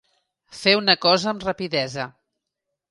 Fer una cosa amb rapidesa.